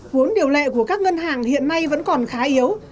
vốn điều lệ của các ngân hàng hiện nay vẫn còn khá yếu